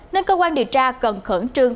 nên cơ quan điều tra cần khẩn trương